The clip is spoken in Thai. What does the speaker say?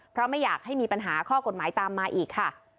เพราะไม่อยากให้มีปัญหาข้อกฎหมายตามมาอีกค่ะ